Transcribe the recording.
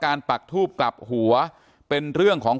การแก้เคล็ดบางอย่างแค่นั้นเอง